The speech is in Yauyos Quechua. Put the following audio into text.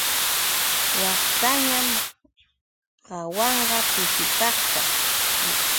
Waktaña qawayan, pishipashqa.